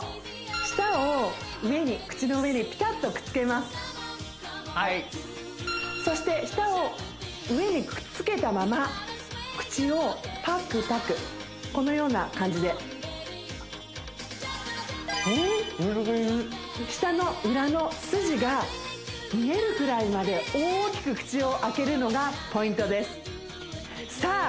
舌を口の上にピタッとくっつけますはいそして舌を上にくっつけたまま口をパクパクこのような感じで難しい舌の裏の筋が見えるくらいまで大きく口を開けるのがポイントですさあ